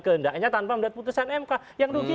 kehendaknya tanpa melihat putusan mk yang rugi